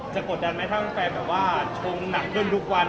กดดันไหมถ้าแฟนแบบว่าชงหนักขึ้นทุกวัน